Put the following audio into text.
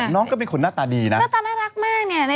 น้องก็เป็นคนหน้าตาดีนะหน้าตาน่ารักมากเนี่ย